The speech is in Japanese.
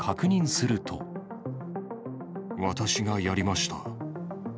私がやりました。